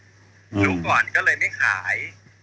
ยุคก่อนก็เลยไม่ขาย